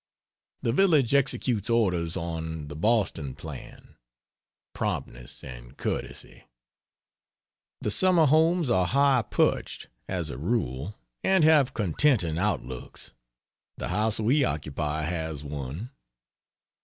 The village executes orders on, the Boston plan promptness and courtesy. The summer homes are high perched, as a rule, and have contenting outlooks. The house we occupy has one.